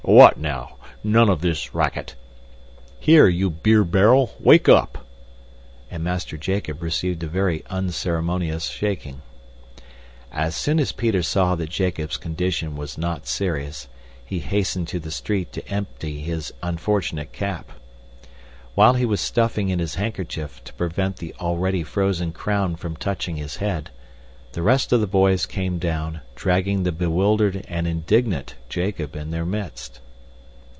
"What now! None of this racket! Here, you beer barrel, wake up!" And Master Jacob received a very unceremonious shaking. As soon as Peter saw that Jacob's condition was not serious, he hastened to the street to empty his unfortunate cap. While he was stuffing in his handkerchief to prevent the already frozen crown from touching his head, the rest of the boys came down, dragging the bewildered and indignant Jacob in their midst.